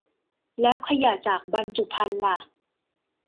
แล้วขยะจากบรรจุภัณฑ์ล่ะ